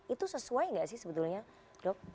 itu sesuai nggak sih sebetulnya dok